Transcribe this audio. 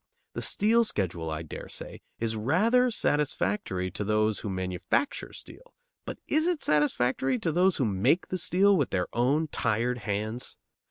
The Steel schedule, I dare say, is rather satisfactory to those who manufacture steel, but is it satisfactory to those who make the steel with their own tired hands?